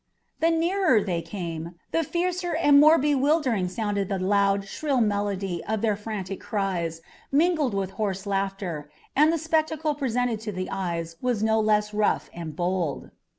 The nearer they came the fiercer and more bewildering sounded the loud, shrill medley of their frantic cries, mingled with hoarse laughter, and the spectacle presented to the eyes was no less rough and bold.